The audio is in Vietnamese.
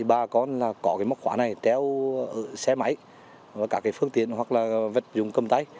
bà con có cái móc khóa này treo xe máy các phương tiện hoặc là vật dùng cầm tay